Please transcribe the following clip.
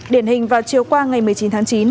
điển hình vào chiều qua ngày một mươi chín tháng chín